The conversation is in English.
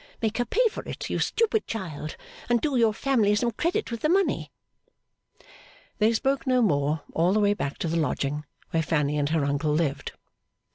Make her pay for it, you stupid child; and do your family some credit with the money!' They spoke no more all the way back to the lodging where Fanny and her uncle lived.